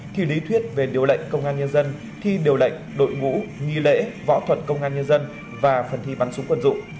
thi lý thuyết về điều lệnh công an nhân dân thi điều lệnh đội ngũ nghi lễ võ thuật công an nhân dân và phần thi bắn súng quân dụng